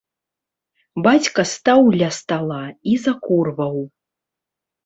Бацька стаяў ля стала і закурваў.